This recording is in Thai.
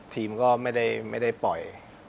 ทีมก็ไม่ได้ไม่ได้ปล่อย